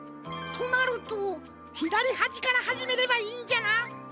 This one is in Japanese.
となるとひだりはじからはじめればいいんじゃな。